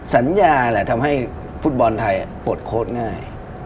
สัญญาแหละทำให้ฟุตบอลไทยปลดโค้ดง่าย